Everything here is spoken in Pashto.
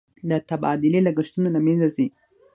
د تبادلې لګښتونه له مینځه ځي.